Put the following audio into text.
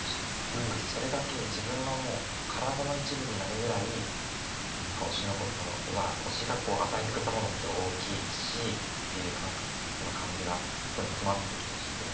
何かそれだけ自分のもう体の一部になるぐらい何か推しのことが推しが与えてくれたものって大きいしっていうその感じがそこに詰まってる気がして。